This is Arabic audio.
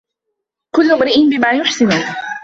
كل امرئ بما يحسنه